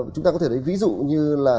chúng ta có thể thấy ví dụ như là